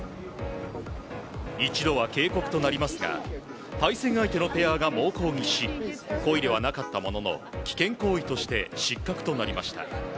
一度は警告となりますが対戦相手のペアが猛抗議し故意ではなかったものの危険行為として失格となりました。